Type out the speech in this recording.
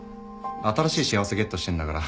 新しい幸せゲットしてんだから。